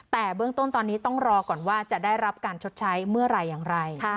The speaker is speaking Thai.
แต่เบื้องต้นตอนนี้ต้องรอก่อนว่าจะได้รับการชดใช้เมื่อไหร่อย่างไร